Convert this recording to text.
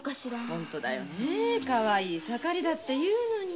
本当だよねかわいい盛りだというのに。